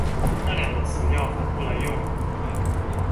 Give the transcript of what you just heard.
那兩個詞要反過來用了